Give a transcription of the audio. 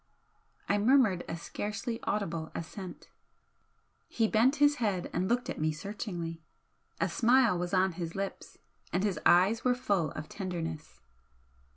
I murmured a scarcely audible assent. He bent his head and looked at me searchingly, a smile was on his lips and his eyes were full of tenderness.